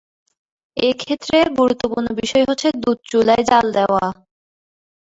এক্ষেত্রে গুরুত্বপূর্ণ বিষয় হচ্ছে দুধ চুলায় জ্বাল দেওয়া।